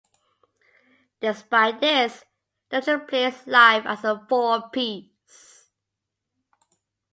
Despite this, Dungen plays live as a four-piece.